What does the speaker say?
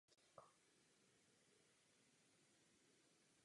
Tím získala pohár jako trojnásobný vítěz do trvalého vlastnictví.